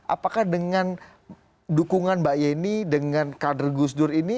apakah dengan dukungan mbak yeni dengan kader gus dur ini